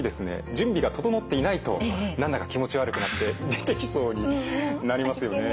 準備が整っていないと何だか気持ち悪くなって出てきそうになりますよね。